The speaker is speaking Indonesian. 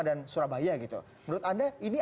dan surabaya gitu menurut anda ini